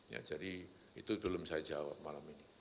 ya jadi itu belum saya jawab malam ini